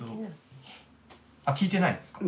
あっ聞いてないですか？